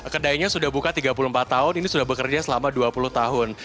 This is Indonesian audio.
kedainya sudah buka tiga puluh empat tahun ini sudah bekerja selama dua puluh tahun